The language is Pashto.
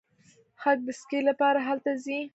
خلک د سکي لپاره هلته ځي.